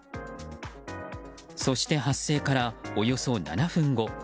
そして、発生からおよそ７分後。